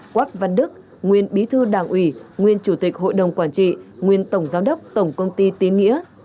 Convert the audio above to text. quách văn đức nguyên bí thư đảng ủy nguyên chủ tịch hội đồng quản trị nguyên tổng giám đốc tổng công ty tín nghĩa